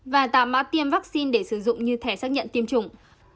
và tám mã tiêm vaccine để sử dụng như thẻ xác nhận tiêm chủng